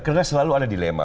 karena selalu ada dilema